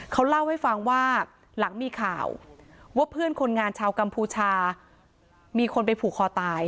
เขาเล่าให้ฟังว่าหลังมีข่าวว่าเพื่อนคนงานชาวกัมพูชามีคนไปผูกคอตาย